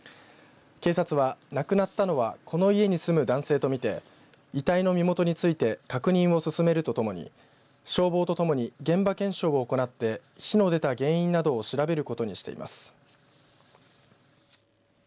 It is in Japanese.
警察は、亡くなったのはこの家に住む男性とみて遺体の身元について確認を進めるとともに消防とともに現場検証を行って火の出た原因などを調べることにしています。